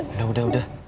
udah udah udah